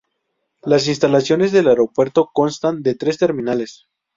Las instalaciones del aeropuerto constan de tres terminales.